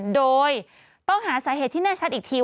โดยต้องหาสาเหตุที่แน่ชัดอีกที